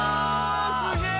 すげえ！